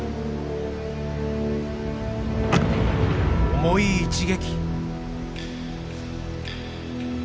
重い一撃！